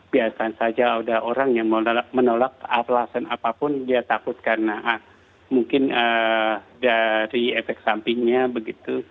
biasa saja ada orang yang menolak alasan apapun dia takut karena mungkin dari efek sampingnya begitu